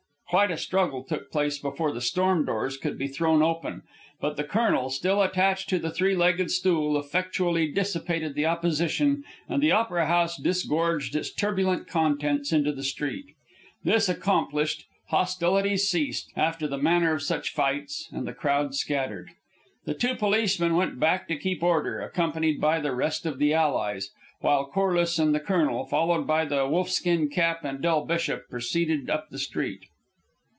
Quite a struggle took place before the storm doors could be thrown open; but the colonel, still attached to the three legged stool, effectually dissipated the opposition, and the Opera House disgorged its turbulent contents into the street. This accomplished, hostilities ceased, after the manner of such fights, and the crowd scattered. The two policemen went back to keep order, accompanied by the rest of the allies, while Corliss and the colonel, followed by the Wolf Skin Cap and Del Bishop, proceeded up the street.